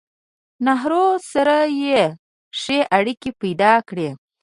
نهرو سره يې ښې اړيکې پېدا کړې